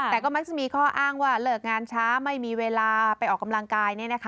แต่ก็มักจะมีข้ออ้างว่าเลิกงานช้าไม่มีเวลาไปออกกำลังกาย